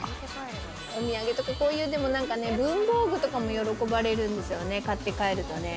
お土産とかこういうでもなんかね、文房具とかも喜ばれるんですよね、買って帰るとね。